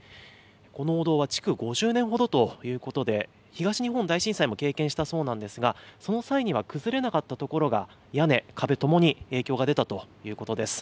このお堂は築５０年ほどということで、東日本大震災も経験したそうなんですが、その際には崩れなかった所が、屋根、壁ともに影響が出たということです。